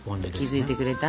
気付いてくれた？